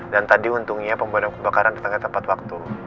dan tadi untungnya pembunuh kebakaran di tangga tepat waktu